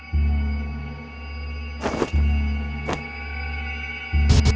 ชื่อฟอยแต่ไม่ใช่แฟง